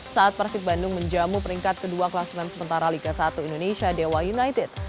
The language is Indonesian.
saat persib bandung menjamu peringkat kedua kelas enam sementara liga satu indonesia dewa united